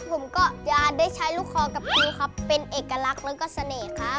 ผมก็จะได้ใช้ลูกคอกับครูครับเป็นเอกลักษณ์แล้วก็เสน่ห์ครับ